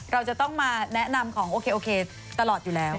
เราจะต้องมาแนะนำของโอเคโอเคตลอดอยู่แล้ว